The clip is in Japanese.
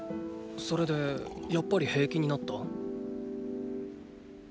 それでやっぱり平気になった？